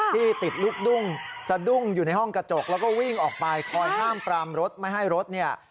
ที่ติดลูกดุ้งสะดุ้งอยู่ในห้องกระจกแล้วก็วิ่งออกไปคอยห้ามปรามรถไม่ให้รถเนี่ย